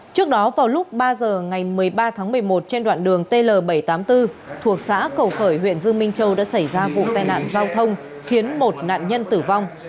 trước đó vào lúc ba h ngày một mươi ba tháng một mươi một trên đoạn đường tl bảy trăm tám mươi bốn thuộc xã cầu khởi huyện dương minh châu đã xảy ra vụ tai nạn giao thông khiến một nạn nhân tử vong